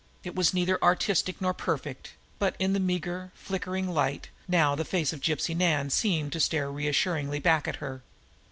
It was neither artistic nor perfect, but in the meager, flickering light now the face of Gypsy Nan seemed to stare reassuringly back at her.